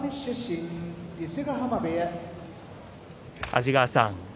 安治川さん